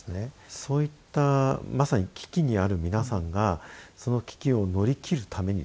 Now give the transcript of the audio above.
そういったまさに危機にある皆さんがその危機を乗り切るためにですね